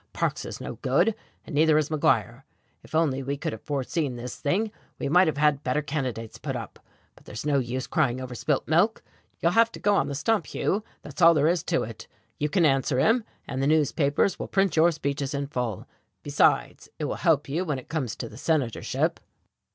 Parks is no good, and neither is MacGuire. If only we could have foreseen this thing we might have had better candidates put up but there's no use crying over spilt milk. You'll have to go on the stump, Hugh that's all there is to it. You can answer him, and the newspapers will print your speeches in full. Besides it will help you when it comes to the senatorship."